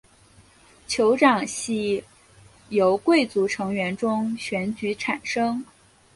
酋长系由贵族成员中选举产生。